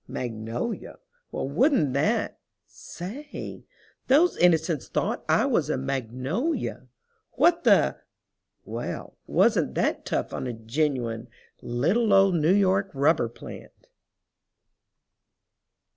Magnolia! Well, wouldn't that—say! those innocents thought I was a magnolia! What the—well, wasn't that tough on a genuine little old New York rubber plant?